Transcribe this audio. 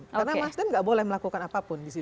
karena nasdem tidak boleh melakukan apapun di situ